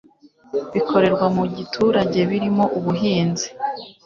bikorerwa mu giturage birimo ubuhinzi